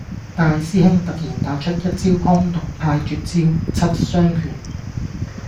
大師兄突然打出一招崆峒派絕招，七傷拳